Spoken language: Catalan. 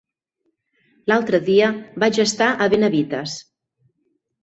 L'altre dia vaig estar a Benavites.